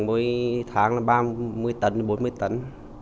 mỗi tháng là ba mươi tấn bốn mươi tấn